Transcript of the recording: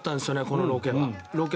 このロケは。